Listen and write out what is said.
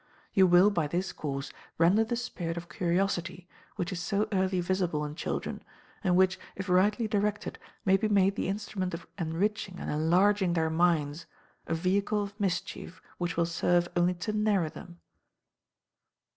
You will, by this course, render the spirit of curiosity, which is so early visible in children, and which, if rightly directed, may be made the instrument of enriching and enlarging their minds, a vehicle of mischief which will serve only to narrow them.